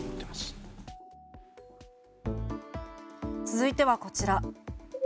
続いてはこちら。